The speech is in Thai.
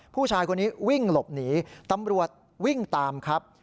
ผู้ชายคนนี้วิ่งหลบหนีตำรวจวิ่งตามครับ